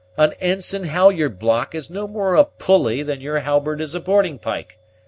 An ensign halyard block is no more a pulley than your halberd is a boarding pike.